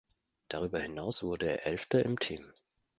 Darüber hinaus wurde er Elfter im Team.